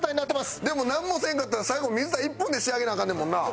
でもなんもせんかったら最後水田１分で仕上げなアカンねんもんな。